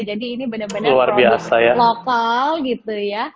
jadi ini benar benar produk lokal gitu ya